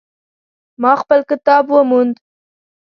ما خپل کتاب وموند